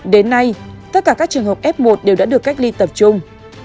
đến nay tất cả các trường hợp f một đều đã được cách ly tập trung